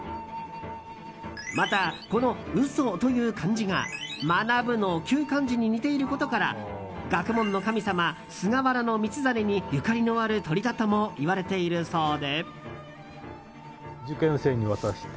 また、この「鷽」という漢字が「学」の旧漢字に似ていることから学問の神様・菅原道真にゆかりのある鳥だともいわれているそうで。